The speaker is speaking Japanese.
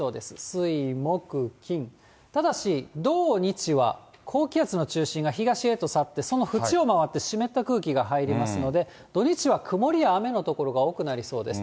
水、木、金、ただし、土日は、高気圧の中心が東へと去って、その縁を回って湿った空気が入りますので、土日は曇りや雨の所が多くなりそうです。